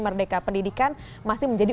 merdeka pendidikan masih menjadi